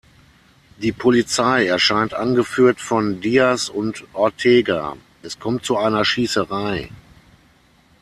Die Polizei erscheint angeführt von Diaz und Ortega, es kommt zu einer Schießerei.